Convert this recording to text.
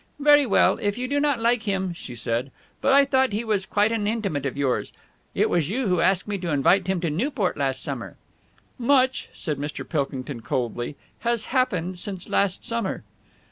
"Very well, if you do not like him," she said. "But I thought he was quite an intimate of yours. It was you who asked me to invite him to Newport last summer." "Much," said Mr. Pilkington coldly, "has happened since last summer."